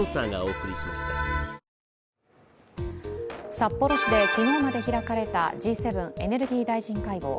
札幌市で昨日まで開かれたＧ７エネルギー大臣会合。